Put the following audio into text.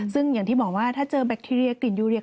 ซึ่งอย่างที่บอกว่าถ้าเจอแบคทีเรียกินยูเรีย